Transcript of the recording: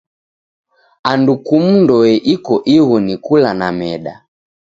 Andu kumu ndoe iko ighu ni kula na meda.